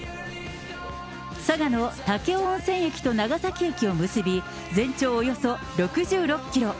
佐賀の武雄温泉駅と長崎駅を結び、全長およそ６６キロ。